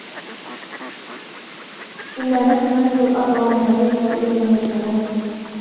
إِنَّا نَحْنُ نَرِثُ الْأَرْضَ وَمَنْ عَلَيْهَا وَإِلَيْنَا يُرْجَعُونَ